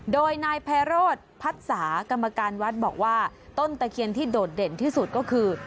โดยนายไพโรธพัทสากรรมการวัดบอกว่าต้นตะเคียนที่โดดเด่นที่สุดก็คือ